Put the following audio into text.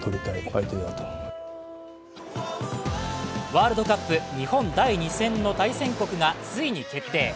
ワールドカップ、日本第２戦の対戦国がついに決定。